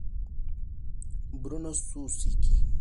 Bruno Suzuki